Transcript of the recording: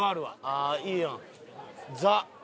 ああいいやん。